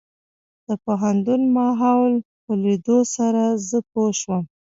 د پوهنتون ماحول په ليدلو سره زه پوه شوم.